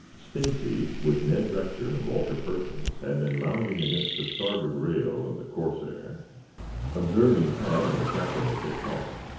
Stacy, with Ned Rector and Walter Perkins, had been lounging against the starboard rail of the "Corsair," observing Tad and the Captain as they talked.